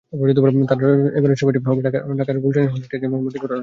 তাঁর এবারের ছবিটি হবে ঢাকার গুলশানের হলি আর্টিজান মর্মান্তিক ঘটনা নিয়ে।